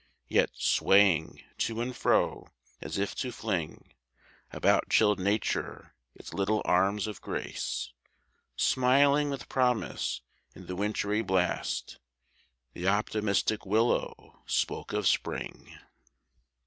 Yet, swaying to and fro, as if to fling About chilled Nature its lithe arms of grace, Smiling with promise in the wintry blast, The optimistic Willow spoke of spring.